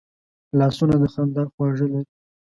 لاسونه د خندا خواږه لري